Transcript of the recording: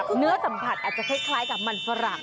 เหนือสัมผัสคล้ายกับมันสร่าง